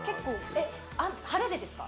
えっ晴れでですか？